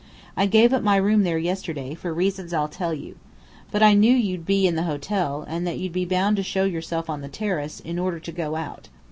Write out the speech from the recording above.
I gave up my room there yesterday, for reasons I'll tell you. But I knew you'd be in the hotel, and that you'd be bound to show yourself on the terrace, in order to go out.